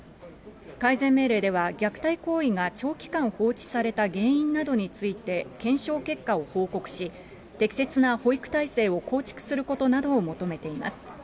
改善命令では虐待行為が長期間放置された原因などについて検証結果を報告し、適切な保育体制を構築することなどを求めています。